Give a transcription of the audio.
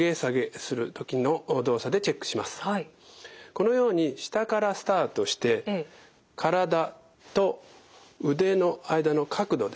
このように下からスタートして体と腕の間の角度ですね